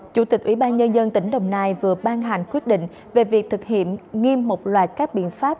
chủ tịch ủy ban nhân dân tỉnh đồng nai vừa ban hành quyết định về việc thực hiện nghiêm một loạt các biện pháp